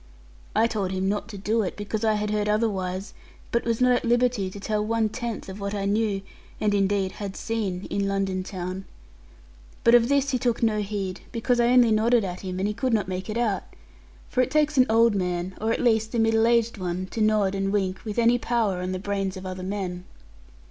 I told him not to do it, because I had heard otherwise, but was not at liberty to tell one tenth of what I knew, and indeed had seen in London town. But of this he took no heed, because I only nodded at him; and he could not make it out. For it takes an old man, or at least a middle aged one, to nod and wink, with any power on the brains of other men.